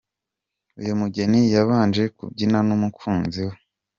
Uyu mugeni yabanje kubyinana n’umukunzi we.